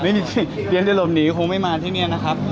ไม่ใช่เรียนจะหลบหนีคงไม่มาที่นี่นะครับ